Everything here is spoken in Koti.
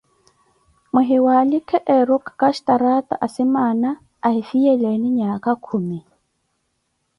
Mwihiwalikhe erukhaka staraata asimaana ahifiyeleeni nyaakha khuumi.